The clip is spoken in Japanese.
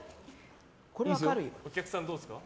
お客さん、どうですか？